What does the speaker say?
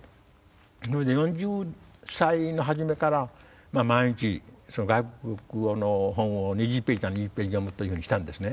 それで４０歳の初めから毎日外国語の本を２０ページなら２０ページ読むというふうにしたんですね。